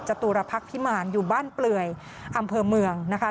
ตุรพักษ์พิมารอยู่บ้านเปลือยอำเภอเมืองนะคะ